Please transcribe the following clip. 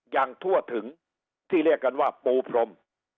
อย่างทั่วถึงที่เรียกกันว่าปูพรม